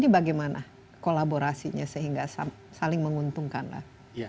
ini bagaimana kolaborasinya sehingga saling menguntungkan lah